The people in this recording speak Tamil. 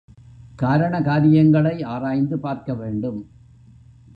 காரண, காரியங்களை ஆராய்ந்து பார்க்க வேண்டும்.